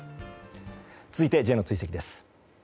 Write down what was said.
続いて、Ｊの追跡です。